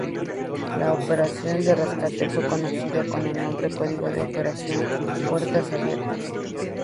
La operación de rescate fue conocida con el nombre código de Operación Puertas Abiertas.